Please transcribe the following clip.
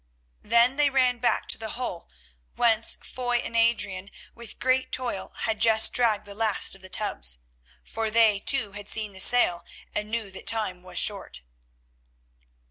Then they ran back to the hole, whence Foy and Adrian, with great toil, had just dragged the last of the tubs. For they, too, had seen the sail, and knew that time was short.